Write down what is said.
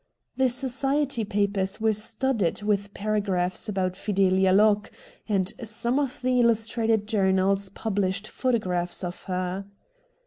The society papers were studded with para graphs about FideUa Locke, and some of the illustrated journals published photographs of her.